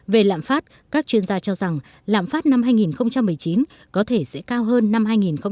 về lạm phát các chuyên gia cho rằng lạm phát năm hai nghìn một mươi chín có thể sẽ cao hơn năm hai nghìn hai mươi